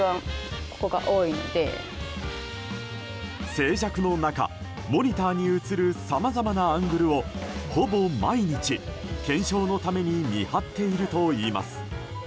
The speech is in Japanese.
静寂の中、モニターに映るさまざまなアングルをほぼ毎日、検証のために見張っているといいます。